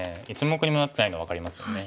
１目にもなってないの分かりますよね。